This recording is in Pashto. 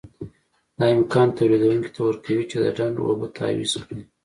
دا امکان تولیدوونکي ته ورکوي چې د ډنډ اوبه تعویض کړي.